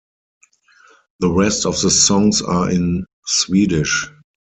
The rest of the songs are in Swedish.